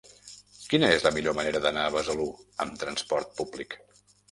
Quina és la millor manera d'anar a Besalú amb trasport públic?